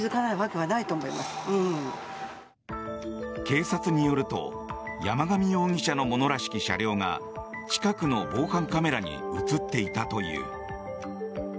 警察によると山上容疑者のものらしき車両が近くの防犯カメラに映っていたという。